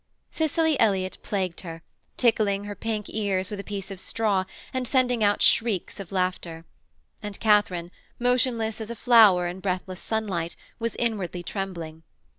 Cicely Elliott plagued her, tickling her pink ears with a piece of straw and sending out shrieks of laughter, and Katharine, motionless as a flower in breathless sunlight, was inwardly trembling.